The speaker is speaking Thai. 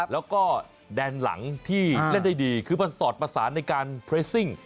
แล้วก็แดนหลังที่เล่นได้ดีคือมันสอดประสานในการเรสซิ่ง